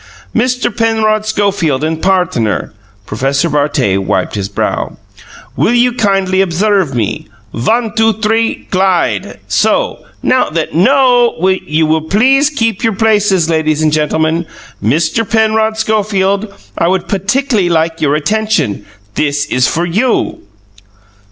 "Mr. Penrod Schofield and partner" Professor Bartet wiped his brow "will you kindly observe me? One two three glide! So! Now then no; you will please keep your places, ladies and gentlemen. Mr. Penrod Schofield, I would puttickly like your attention, this is for you!"